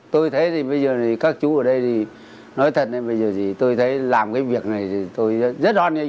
tôi thấy bây giờ các chú ở đây nói thật bây giờ tôi thấy làm cái việc này tôi rất ổn